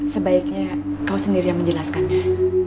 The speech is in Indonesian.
sebaiknya kau sendiri yang menjelaskannya